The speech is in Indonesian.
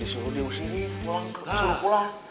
disuruh diusirin disuruh pulang